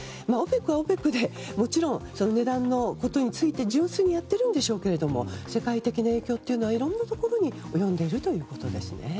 ＯＰＥＣはＯＰＥＣでもちろん値段のことについて純粋にやってるんでしょうけど世界的な影響はいろんなところに及んでいるということですね。